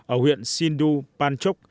ở huyện sindhupanchok